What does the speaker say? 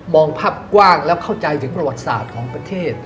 ภาพกว้างแล้วเข้าใจถึงประวัติศาสตร์ของประเทศ